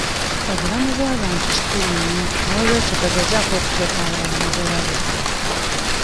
Obulamu bw'abantu kikulu nnyo n'olwekyo togezaako kuteeka balala mu bulabe.